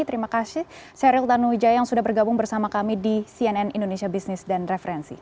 terima kasih seril tanuwijaya yang sudah bergabung bersama kami di cnn indonesia business dan referensi